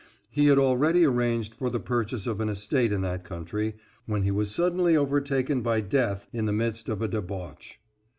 He had already arranged for the purchase of an estate in that country, when he was suddenly overtaken by death in the midst of a debauch.